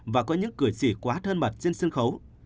và có những cười sĩ quá thân mật trên sân khấu